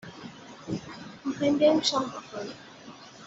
میخایم بریم شام بخوریم